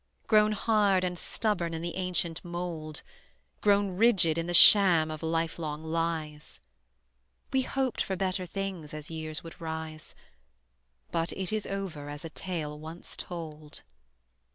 Grown hard and stubborn in the ancient mould, Grown rigid in the sham of lifelong lies: We hoped for better things as years would rise, But it is over as a tale once told.